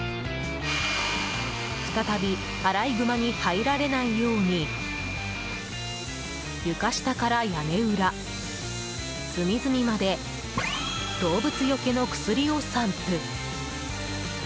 再びアライグマに入られないように床下から屋根裏、隅々まで動物よけの薬を散布。